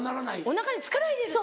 おなかに力入れると。